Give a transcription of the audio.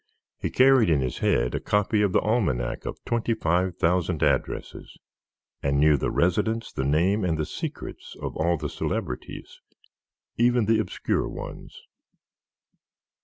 He carried in his head a copy of the almanac of twenty five thousand addresses, and knew the residence, the name, and the secrets of all the celebrities, even the obscure ones.